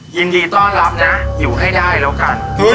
ยินดีต้อนรับนะอยู่ให้ได้แล้วกัน